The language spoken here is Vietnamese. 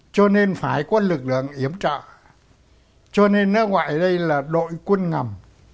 cho nên phải có lực lượng hiểm trọng cho nên nó gọi đây là đội quân ngầm